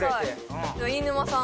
飯沼さん